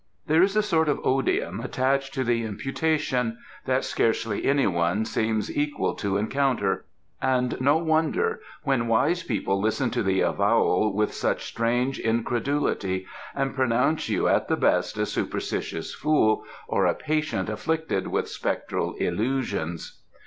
There is a sort of odium attached to the imputation, that scarcely anyone seems equal to encounter; and no wonder, when wise people listen to the avowal with such strange incredulity, and pronounce you at the best a superstitious fool, or a patient afflicted with spectral illusions.